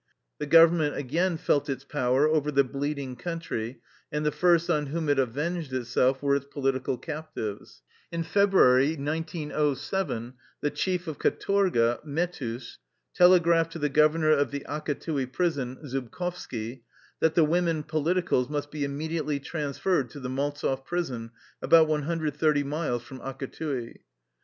The government again felt its power over the bleeding country, and the first on whom it avenged itself were its political captives. In February, 1907, the chief of hdtorga^ Mehtus, telegraphed to the governor of the Akatui prison, Zubkovski, that the women po liticals must be immediately transferred to the Maltzev prison, about 130 miles from Akatui.